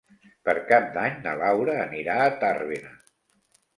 Per Cap d'Any na Laura anirà a Tàrbena.